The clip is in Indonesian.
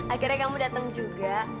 akhirnya kamu datang juga